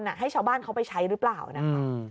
ให้ชาวบ้านเขาไปใช้หรือเปล่านะคะ